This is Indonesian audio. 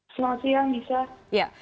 selamat siang bisa